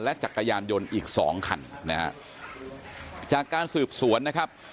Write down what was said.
จักรยานยนต์อีกสองคันนะฮะจากการสืบสวนนะครับ